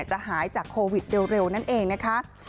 จะหายจากโควิดเร็วนั่นเองนะคะ